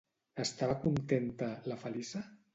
Estava contenta, la Feliça?